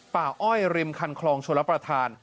อ้อยริมคันคลองชลประธาน